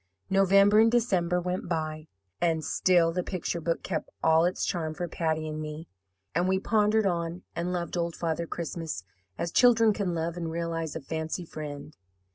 "November and December went by, and still the picture book kept all its charm for Patty and me; and we pondered on and loved Old Father Christmas as children can love and realize a fancy friend.